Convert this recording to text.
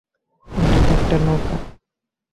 এটা তো একটা নৌকা।